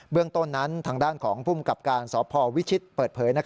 เรื่องต้นนั้นทางด้านของภูมิกับการสพวิชิตเปิดเผย